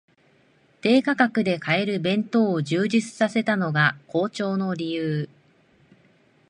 低価格で買える弁当を充実させたのが好調の理由